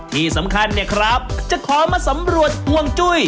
ที่สำคัญเนี่ยครับจะขอมาสำรวจห่วงจุ้ย